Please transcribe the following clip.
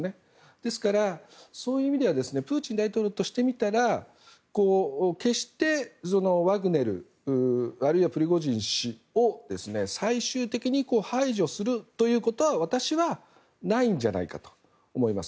ですから、そういう意味ではプーチン大統領としてみたら決して、ワグネルあるいはプリゴジン氏を最終的に排除するということは私は、ないんじゃないかと思います。